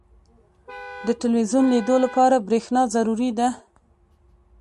• د ټلویزیون لیدو لپاره برېښنا ضروري ده.